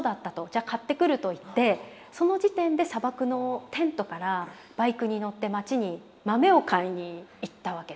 「じゃ買ってくる」と言ってその時点で砂漠のテントからバイクに乗って町に豆を買いに行ったわけです。